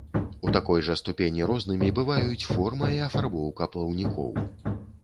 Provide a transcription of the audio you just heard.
У такой жа ступені рознымі бываюць форма і афарбоўка плаўнікоў.